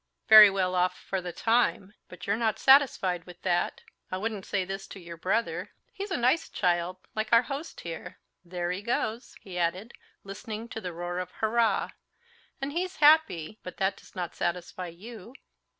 "Very well off—for the time. But you're not satisfied with that. I wouldn't say this to your brother. He's a nice child, like our host here. There he goes!" he added, listening to the roar of "hurrah!"—"and he's happy, but that does not satisfy you."